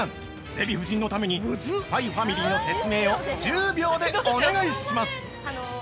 デヴィ夫人のために「ＳＰＹｘＦＡＭＩＬＹ」の説明を１０秒でお願いします！